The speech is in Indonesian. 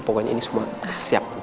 pokoknya ini semua siap